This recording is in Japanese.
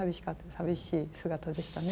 寂しい姿でしたね。